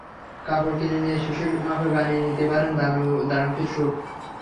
কাপড় কিনে নিয়ে শিশুর মাপে বানিয়ে নিতে পারেন দারুণ কিছু স্যুট।